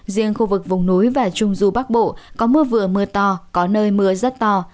riêng khu vực vùng núi và trung du bắc bộ có mưa vừa mưa to có nơi mưa rất to